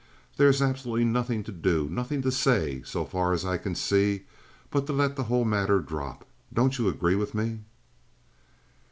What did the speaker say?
There is absolutely nothing to do, nothing to say, so far as I can see, but to let the whole matter drop. Don't you agree with me?"